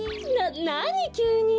ななにきゅうに？